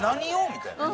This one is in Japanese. みたいな。